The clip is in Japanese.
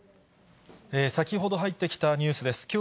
先ほど入ってきたニュースです。